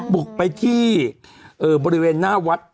บุกไปที่บริเวณหน้าวัด